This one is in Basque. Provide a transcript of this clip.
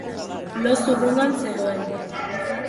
Lo zurrungan zegoen.